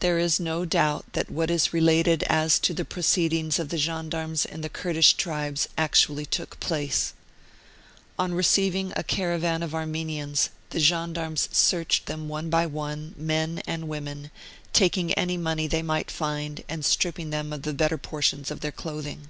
There is no doubt that what is related as to the proceedings of the gendarmes and the Kurdish tribes actually took place. On receiving a caravan of Armenians the gendarmes searched them one by one, men and women, taking any money they 36 Martyred Armenia might find, and stripping them of the better portions of their clothing.